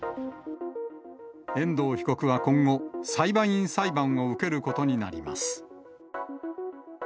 遠藤被告は今後、裁判員裁判を受けることになります。